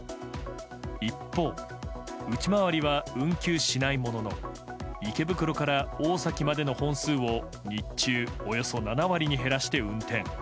一方、内回りは運休しないものの池袋から大崎までの本数を日中、およそ７割に減らして運転。